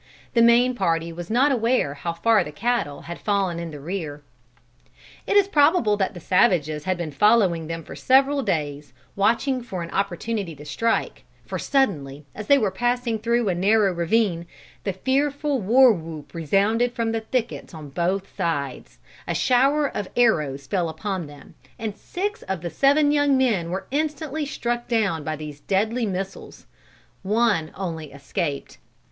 The main party was not aware how far the cattle had fallen in the rear. It is probable that the savages had been following them for several days, watching for an opportunity to strike, for suddenly, as they were passing through a narrow ravine, the fearful war whoop resounded from the thickets on both sides, a shower of arrows fell upon them, and six of the seven young men were instantly struck down by these deadly missiles. One only escaped.